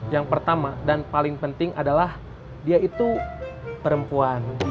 yang pertama dan paling penting adalah dia itu perempuan